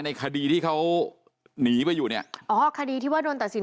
ในคดีที่เขาหนีไปอยู่เนี่ยอ๋อคดีที่ว่าโดนตัดสิน